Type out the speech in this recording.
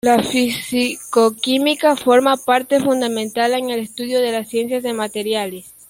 La fisicoquímica forma parte fundamental en el estudio de la ciencia de materiales.